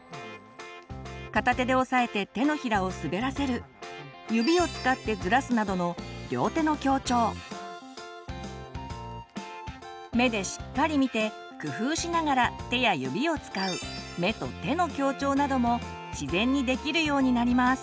片手で押さえて手のひらを滑らせる指を使ってずらすなどの目でしっかり見て工夫しながら手や指を使う自然にできるようになります。